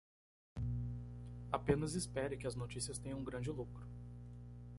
Apenas espere que as notícias tenham um grande lucro.